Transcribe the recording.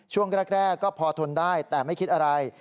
ช่วงแรกก็พอทนได้แต่ไม่คิดอะไร